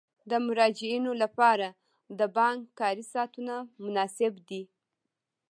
د مراجعینو لپاره د بانک کاري ساعتونه مناسب دي.